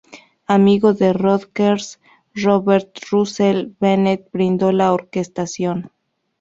El amigo de Rodgers, Robert Russell Bennett, brindó la orquestación.